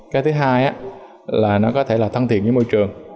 cái thứ hai là nó có thể là thân thiện với môi trường